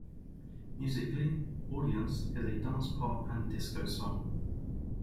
Musically, "Audience" is a dance-pop and disco song.